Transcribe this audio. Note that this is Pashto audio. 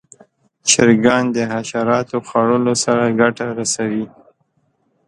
چرګان د حشراتو خوړلو سره ګټه رسوي.